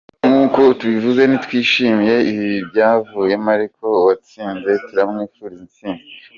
Nkuko tubivuze, ntitwishimiye ibyavuyemo ariko uwatsinze turamwifuzira intsinzi.